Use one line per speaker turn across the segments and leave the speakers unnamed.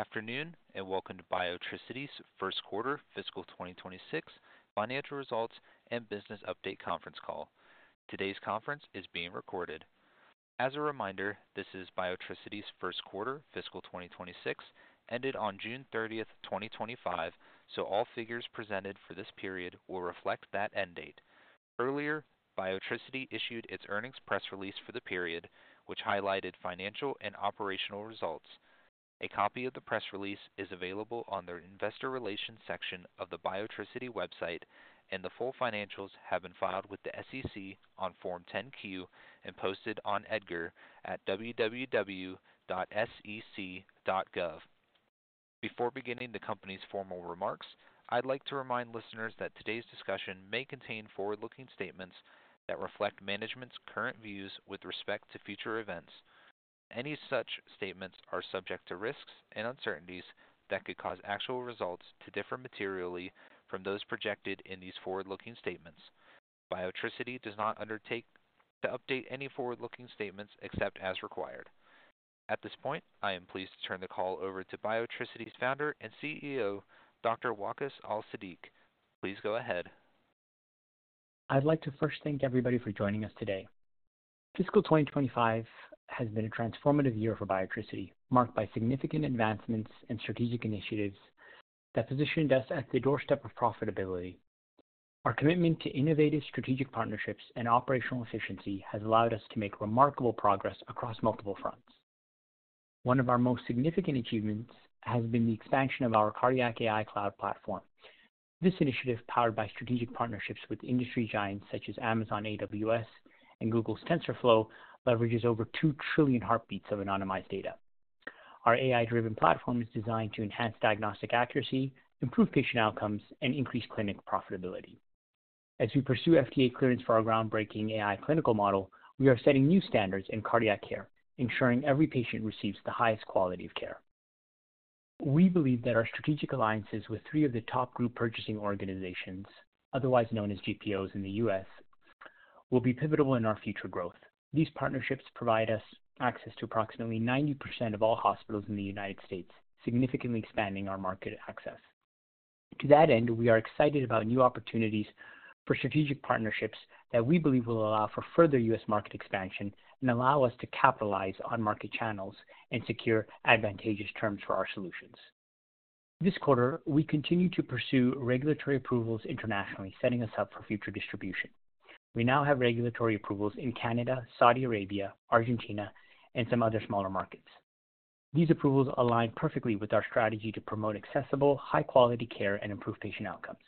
Afternoon and welcome to Biotricity's First Quarter Fiscal 2026 Financial Results and Business Update Conference call. Today's conference is being recorded. As a reminder, this is Biotricity's first quarter fiscal 2026, ended on June 30th, 2025, so all figures presented for this period will reflect that end date. Earlier, Biotricity issued its earnings press release for the period, which highlighted financial and operational results. A copy of the press release is available on their investor relations section of the Biotricity website, and the full financials have been filed with the SEC on Form 10-Q and posted on EDGAR at www.sec.gov. Before beginning the company's formal remarks, I'd like to remind listeners that today's discussion may contain forward-looking statements that reflect management's current views with respect to future events. Any such statements are subject to risks and uncertainties that could cause actual results to differ materially from those projected in these forward-looking statements. Biotricity does not undertake to update any forward-looking statements except as required. At this point, I am pleased to turn the call over to Biotricity's Founder and CEO, Dr. Waqaas Al-Siddiq. Please go ahead.
I'd like to first thank everybody for joining us today. Fiscal 2025 has been a transformative year for Biotricity, marked by significant advancements and strategic initiatives that positioned us at the doorstep of profitability. Our commitment to innovative strategic partnerships and operational efficiency has allowed us to make remarkable progress across multiple fronts. One of our most significant achievements has been the expansion of our Cardiac AI Cloud Platform. This initiative, powered by strategic partnerships with industry giants such as Amazon AWS and Google TensorFlow, leverages over 2 trillion heartbeats of anonymized data. Our AI-driven platform is designed to enhance diagnostic accuracy, improve patient outcomes, and increase clinic profitability. As we pursue FDA clearance for our groundbreaking AI clinical model, we are setting new standards in cardiac care, ensuring every patient receives the highest quality of care. We believe that our strategic alliances with three of the top group purchasing organizations, otherwise known as GPOs in the U.S., will be pivotal in our future growth. These partnerships provide us access to approximately 90% of all hospitals in the United States, significantly expanding our market access. To that end, we are excited about new opportunities for strategic partnerships that we believe will allow for further U.S. market expansion and allow us to capitalize on market channels and secure advantageous terms for our solutions. This quarter, we continue to pursue regulatory approvals internationally, setting us up for future distribution. We now have regulatory approvals in Canada, Saudi Arabia, Argentina, and some other smaller markets. These approvals align perfectly with our strategy to promote accessible, high-quality care and improve patient outcomes.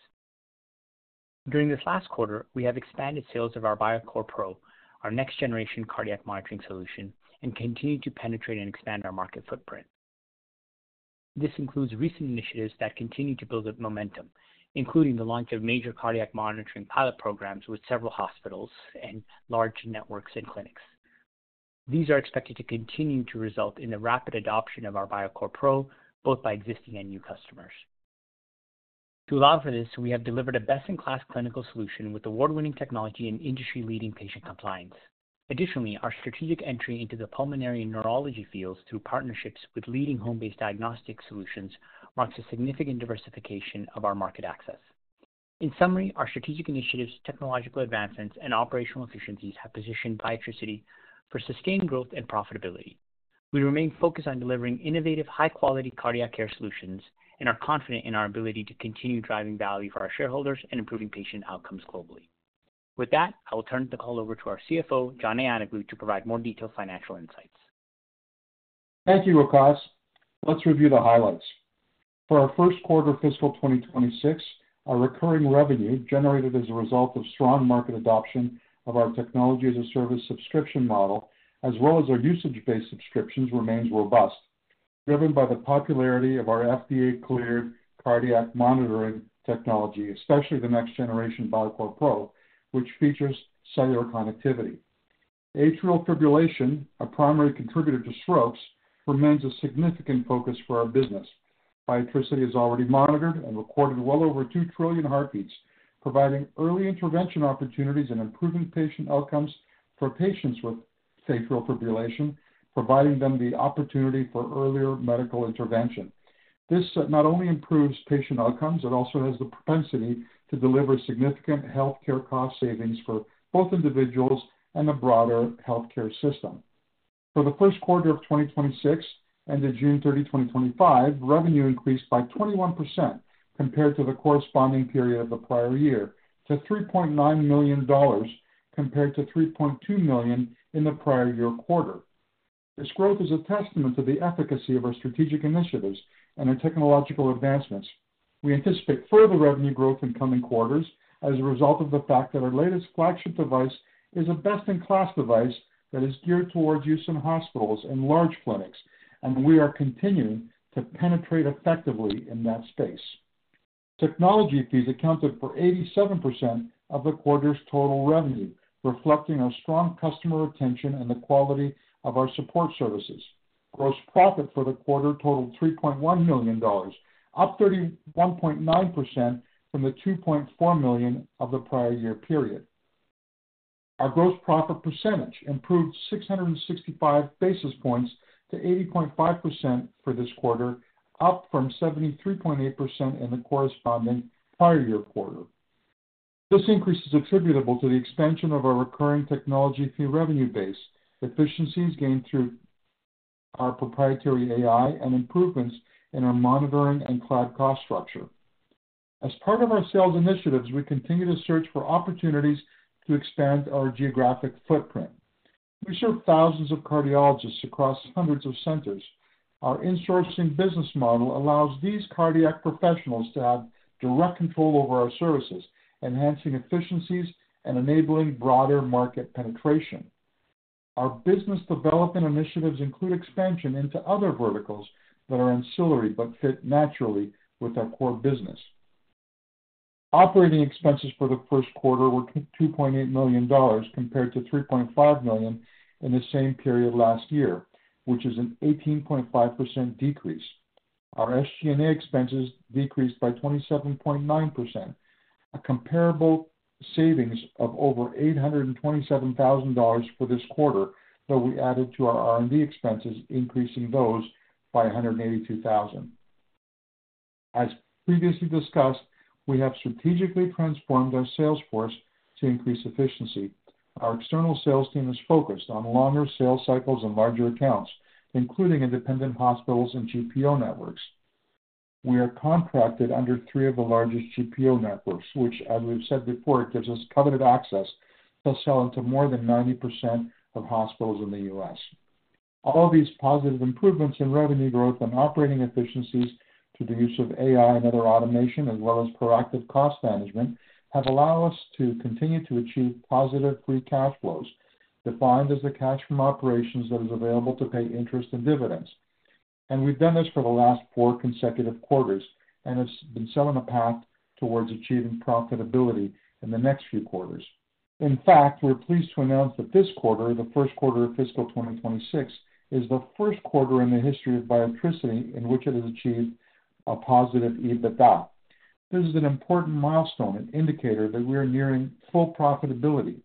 During this last quarter, we have expanded sales of our Biocore Pro, our next-generation cardiac monitoring solution, and continue to penetrate and expand our market footprint. This includes recent initiatives that continue to build up momentum, including the launch of major cardiac monitoring pilot programs with several hospitals and large networks and clinics. These are expected to continue to result in the rapid adoption of our Biocore Pro, both by existing and new customers. To allow for this, we have delivered a best-in-class clinical solution with award-winning technology and industry-leading patient compliance. Additionally, our strategic entry into the pulmonary and neurology fields through partnerships with leading home-based diagnostic solutions marks a significant diversification of our market access. In summary, our strategic initiatives, technological advancements, and operational efficiencies have positioned Biotricity for sustained growth and profitability. We remain focused on delivering innovative, high-quality cardiac care solutions and are confident in our ability to continue driving value for our shareholders and improving patient outcomes globally. With that, I will turn the call over to our CFO, John Ayanoglou, to provide more detailed financial insights.
Thank you, Waqaas. Let's review the highlights. For our first quarter fiscal 2026, our recurring revenue generated as a result of strong market adoption of our technology as a service subscription model, as well as our usage-based subscriptions, remains robust, driven by the popularity of our FDA-cleared cardiac monitoring technology, especially the next-generation Biocore Pro, which features cellular connectivity. Atrial fibrillation, a primary contributor to strokes, remains a significant focus for our business. Biotricity has already monitored and recorded well over 2 trillion heartbeats, providing early intervention opportunities and improving patient outcomes for patients with atrial fibrillation, providing them the opportunity for earlier medical intervention. This not only improves patient outcomes, it also has the propensity to deliver significant healthcare cost savings for both individuals and the broader healthcare system. For the first quarter of 2026 and in June 30, 2025, revenue increased by 21% compared to the corresponding period of the prior year to $3.9 million compared to $3.2 million in the prior year quarter. This growth is a testament to the efficacy of our strategic initiatives and our technological advancements. We anticipate further revenue growth in coming quarters as a result of the fact that our latest flagship device is a best-in-class device that is geared towards use in hospitals and large clinics, and we are continuing to penetrate effectively in that space. Technology fees accounted for 87% of the quarter's total revenue, reflecting our strong customer retention and the quality of our support services. Gross profit for the quarter totaled $3.1 million, up 31.9% from the $2.4 million of the prior year period. Our gross profit percentage improved 665 basis points to 80.5% for this quarter, up from 73.8% in the corresponding prior year quarter. This increase is attributable to the expansion of our recurring technology fee revenue base, efficiencies gained through our proprietary AI, and improvements in our monitoring and cloud cost structure. As part of our sales initiatives, we continue to search for opportunities to expand our geographic footprint. We serve thousands of cardiologists across hundreds of centers. Our in-sourcing business model allows these cardiac professionals to have direct control over our services, enhancing efficiencies and enabling broader market penetration. Our business development initiatives include expansion into other verticals that are ancillary but fit naturally with our core business. Operating expenses for the first quarter were $2.8 million compared to $3.5 million in the same period last year, which is an 18.5% decrease. Our SG&A expenses decreased by 27.9%, a comparable savings of over $827,000 for this quarter, though we added to our R&D expenses, increasing those by $182,000. As previously discussed, we have strategically transformed our sales force to increase efficiency. Our external sales team is focused on longer sales cycles and larger accounts, including independent hospitals and GPO networks. We are contracted under three of the largest GPO networks, which, as we've said before, gives us covenant access to sell into more than 90% of hospitals in the U.S. All of these positive improvements in revenue growth and operating efficiencies through the use of AI and other automation, as well as proactive cost management, have allowed us to continue to achieve positive free cash flows, defined as the cash from operations that is available to pay interest and dividends. We've done this for the last four consecutive quarters, and it's been set on a path towards achieving profitability in the next few quarters. In fact, we're pleased to announce that this quarter, the first quarter of fiscal 2026, is the first quarter in the history of Biotricity in which it has achieved a positive EBITDA. This is an important milestone and indicator that we are nearing full profitability.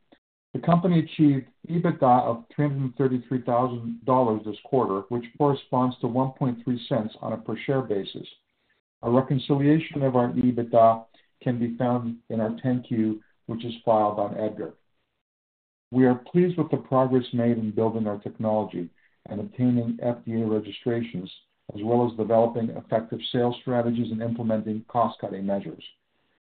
The company achieved EBITDA of $333,000 this quarter, which corresponds to $0.013 on a per share basis. A reconciliation of our EBITDA can be found in our 10-Q, which is filed on EDGAR. We are pleased with the progress made in building our technology and obtaining FDA registrations, as well as developing effective sales strategies and implementing cost-cutting measures.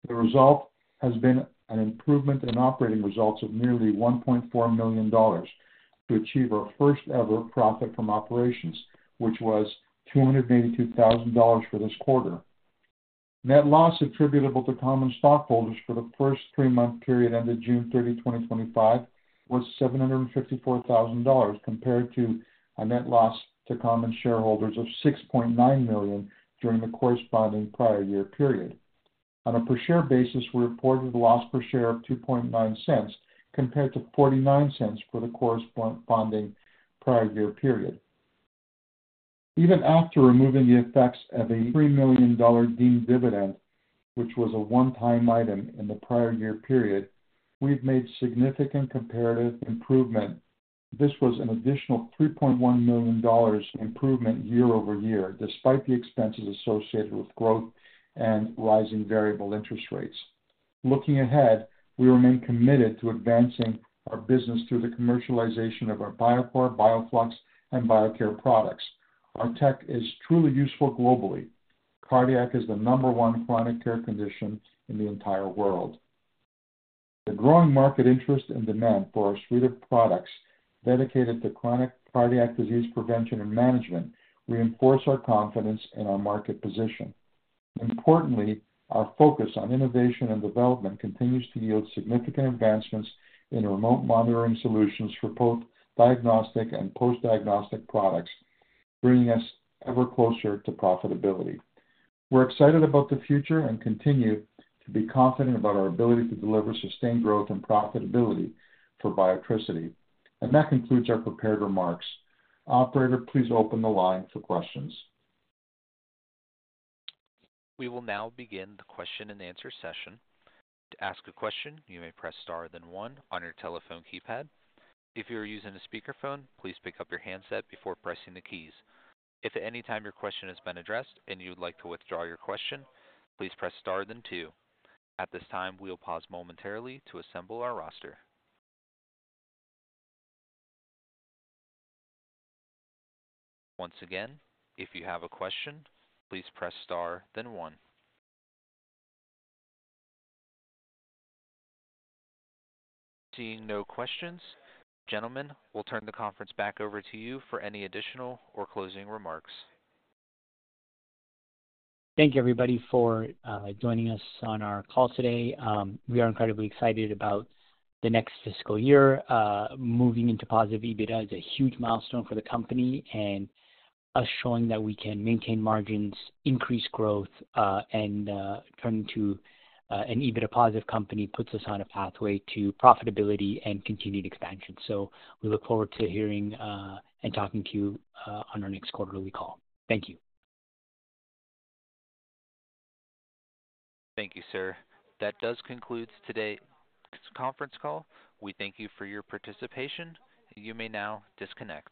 The result has been an improvement in operating results of nearly $1.4 million to achieve our first-ever profit from operations, which was $282,000 for this quarter. Net loss attributable to common stockholders for the first three-month period ended June 30, 2025, was $754,000 compared to a net loss to common shareholders of $6.9 million during the corresponding prior year period. On a per share basis, we reported a loss per share of $0.029 compared to $0.49 for the corresponding prior year period. Even after removing the effects of a $3 million deemed dividend, which was a one-time item in the prior year period, we've made significant comparative improvement. This was an additional $3.1 million improvement year over year, despite the expenses associated with growth and rising variable interest rates. Looking ahead, we remain committed to advancing our business through the commercialization of our Biocore, Bioflux, and Biocare products. Our tech is truly useful globally. Cardiac is the number one chronic care condition in the entire world. The growing market interest and demand for our suite of products dedicated to chronic cardiac disease prevention and management reinforce our confidence in our market position. Importantly, our focus on innovation and development continues to yield significant advancements in remote monitoring solutions for both diagnostic and post-diagnostic products, bringing us ever closer to profitability. We're excited about the future and continue to be confident about our ability to deliver sustained growth and profitability for Biotricity. That concludes our prepared remarks. Operator, please open the line for questions.
We will now begin the question and answer session. To ask a question, you may press star then one on your telephone keypad. If you are using a speakerphone, please pick up your handset before pressing the keys. If at any time your question has been addressed and you would like to withdraw your question, please press star then two. At this time, we'll pause momentarily to assemble our roster. Once again, if you have a question, please press star then one. Seeing no questions, gentlemen, we'll turn the conference back over to you for any additional or closing remarks.
Thank you, everybody, for joining us on our call today. We are incredibly excited about the next fiscal year. Moving into positive EBITDA is a huge milestone for the company, and us showing that we can maintain margins, increase growth, and turn into an EBITDA-positive company puts us on a pathway to profitability and continued expansion. We look forward to hearing and talking to you on our next quarterly call. Thank you.
Thank you, sir. That does conclude today's conference call. We thank you for your participation, and you may now disconnect.